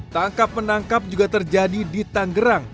tangkap menangkap juga terjadi di tanggerang